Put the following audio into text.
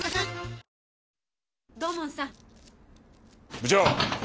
部長！